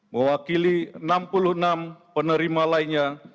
mewakili enam puluh enam penerima lainnya